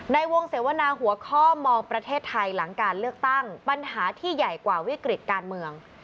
ในวงเสวนาหัวข้อมองประเทศไทยหลังการเลือกตั้งปัญหาที่ใหญ่กว่าวิกฤติการเมือง